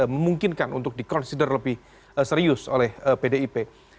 memungkinkan untuk di consider lebih serius oleh pdip